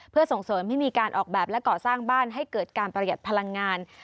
เพื่อส่งเสริมให้มีการออกแบบและก่อสร้างบ้านให้เกิดการประหยัดพลังงาน